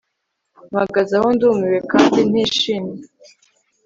Mpagaze aho ndumiwe kandi ntishimye